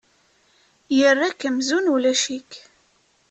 Yerra-k amzun ulac-ik.